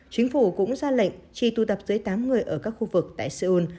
chính phủ cũng ra lệnh chỉ tu tập dưới tám người ở các khu vực tại seoul